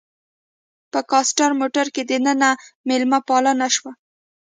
په کاسټر موټر کې دننه میلمه پالنه شوه.